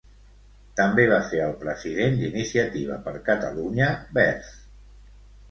També va ser el president d'Iniciativa per Catalunya Verds.